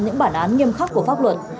những bản án nghiêm khắc của pháp luật